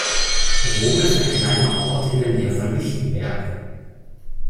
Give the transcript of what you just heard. Rom ist ein kleiner Ort in der Nähe von Lichtenberg.